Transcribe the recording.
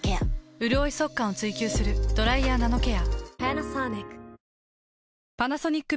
うるおい速乾を追求する「ドライヤーナノケア」。